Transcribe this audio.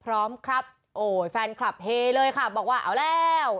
พร้อมครับโอ้ยแฟนคลับเฮเลยค่ะบอกว่าเอาแล้ว